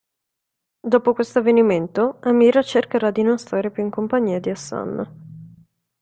Dopo questo avvenimento, Amir cercherà di non stare più in compagnia di Hassan.